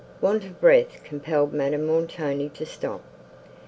Want of breath compelled Madame Montoni to stop.